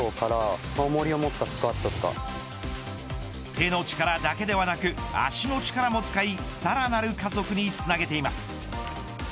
手の力だけではなく足の力も使いさらなる加速につなげています。